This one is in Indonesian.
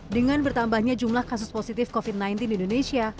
dengan bertambahnya jumlah kasus positif covid sembilan belas di indonesia